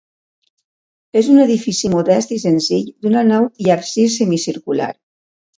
És un edifici modest i senzill d'una nau i absis semicircular.